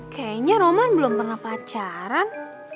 kayaknya roman belum pernah pacaran